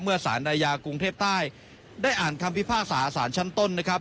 สารอาญากรุงเทพใต้ได้อ่านคำพิพากษาสารชั้นต้นนะครับ